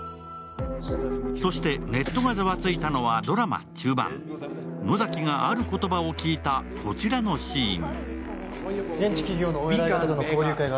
そして、ネットがザワついたのはドラマ中盤、野崎が、ある言葉を聞いたこちらのシーン。